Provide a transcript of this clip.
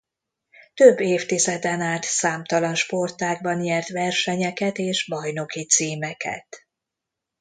Több évtizeden át számtalan sportágban nyert versenyeket és bajnoki címeket.